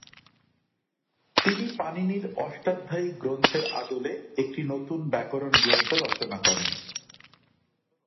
তিনি পাণিনির অষ্টাধ্যায়ী গ্রন্থের আদলে একটি নতুন ব্যাকরণ গ্রন্থ রচনা করেন।